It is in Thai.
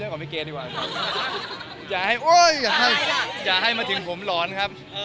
กับเรามันไม่โกรธ